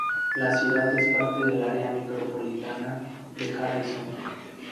La ciudad es parte del área micropolitana de Harrison.